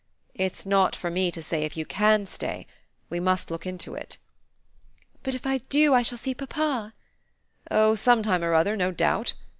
"It's not for me to say if you CAN stay. We must look into it." "But if I do I shall see papa?" "Oh some time or other, no doubt."